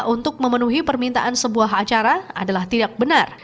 untuk memenuhi permintaan sebuah acara adalah tidak benar